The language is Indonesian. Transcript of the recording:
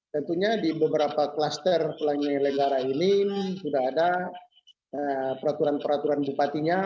tentunya di beberapa kluster penyelenggara ini sudah ada peraturan peraturan bupatinya